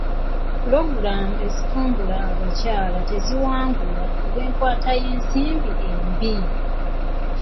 Pulogulaamu ezitumbula abakyala teziwangula olw'enkwata y'ensimbi embi.